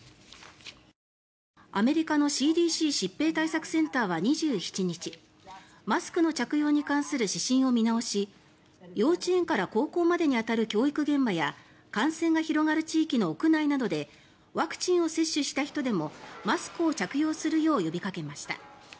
アメリカのＣＤＣ・疾病対策センターは２７日マスクの着用に関する指針を見直し幼稚園から高校までに当たる教育現場や感染が広がる地域の屋内などでワクチンを接種した人でもマスクを着用するよう呼びかけました。